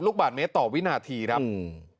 ๒๖๙๐ลูกบาทเมตรต่อวินาทีครับ